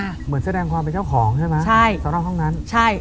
เหมือนแสดงความเป็นเจ้าของใช่ไหมใช่สำหรับห้องนั้นใช่